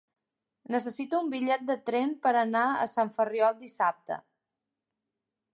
Necessito un bitllet de tren per anar a Sant Ferriol dissabte.